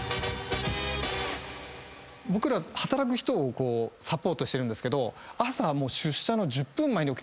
僕ら働く人をサポートしてるんですけど朝。